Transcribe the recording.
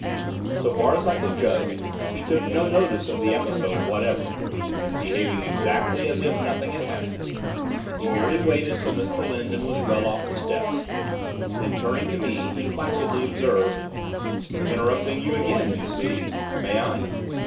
So far as I could judge, he took no notice of the episode whatever, behaving exactly as if nothing had happened. He merely waited till Mr Lindon was well off the steps; then, turning to me, he placidly observed, 'Interrupting you again, you see. May I?